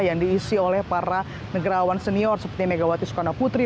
yang diisi oleh para negarawan senior seperti megawati soekarno putri